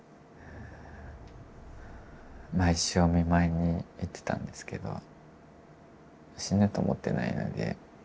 毎週お見舞いに行ってたんですけど死ぬと思ってないのでそんなに心配もしてなくて。